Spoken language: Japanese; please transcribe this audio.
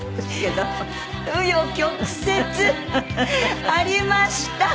紆余曲折ありました！